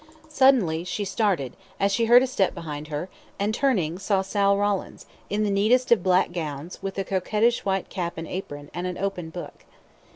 Suddenly she started, as she heard a step behind her, and turning, saw Sal Rawlins, in the neatest of black gowns, with a coquettish white cap and apron, and an open book.